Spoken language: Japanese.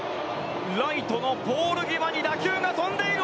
ライトのポール際に打球が飛んでいる！